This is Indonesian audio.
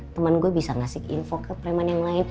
temen gue bisa ngasih info ke preman yang lain